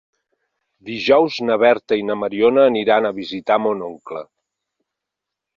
Dijous na Berta i na Mariona aniran a visitar mon oncle.